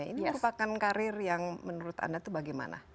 ini merupakan karir yang menurut anda itu bagaimana